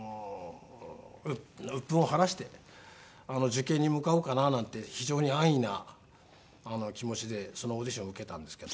鬱憤を晴らして受験に向かおうかななんて非常に安易な気持ちでそのオーディションを受けたんですけど。